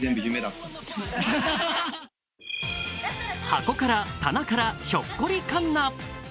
箱から、棚からひょっこりかんな。